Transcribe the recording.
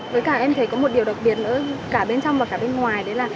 với cả em thấy có một điều đặc biệt ở cả bên trong và cả bên ngoài đấy là